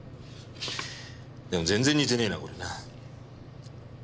でも全然似てねえなこれな。